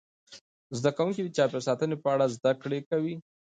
زده کوونکي د چاپیریال ساتنې په اړه زده کړه کوي.